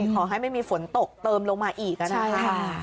ขอให้ไม่มีฝนตกเติมลงมาอีกนะครับ